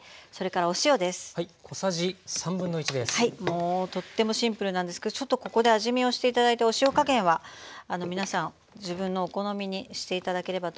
もうとってもシンプルなんですけどちょっとここで味見をして頂いてお塩加減は皆さん自分のお好みにして頂ければと思います。